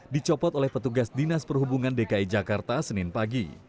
dicopot oleh petugas dinas perhubungan dki jakarta senin pagi